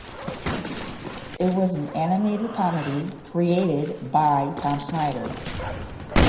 It was an animated comedy created by Tom Snyder.